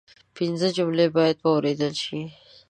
پنځه جملې باید واوریدل شي